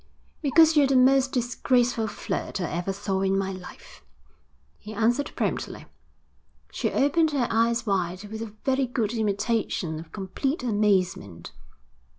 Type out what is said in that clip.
'Because you're the most disgraceful flirt I ever saw in my life,' he answered promptly. She opened her eyes wide with a very good imitation of complete amazement.